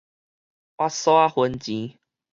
倚索仔分錢